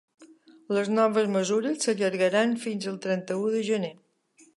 Les noves mesures s’allargaran fins el trenta-u de gener.